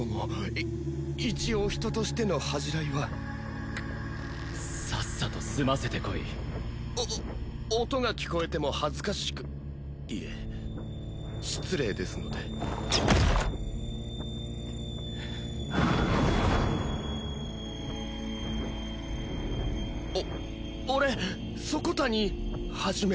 い一応人としての恥じらいはさっさと済ませてこいお音が聞こえても恥ずかしくいえ失礼ですのでお俺底谷一